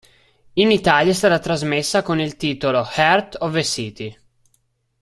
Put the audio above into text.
In Italia è stata trasmessa con il titolo "Heart of the City".